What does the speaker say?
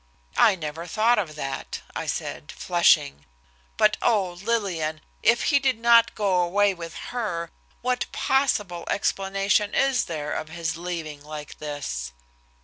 "I never thought of that," I said, flushing. "But, oh! Lillian, if he did not go away with her, what possible explanation is there of his leaving like this?"